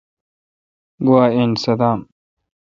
گوا این صدام۔